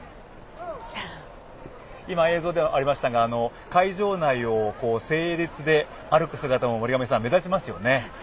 今、映像でもありましたが会場内を整列で歩く姿も目立ちますよね。